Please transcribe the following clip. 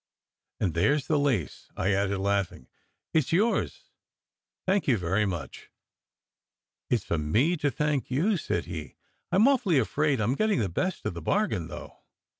"And there s the lace," I added, laughing. "It s yours Thank you very much." SECRET HISTORY 17 "It s for me to thank you," said he. "I m awfully afraid I m getting the best of the bargain, though.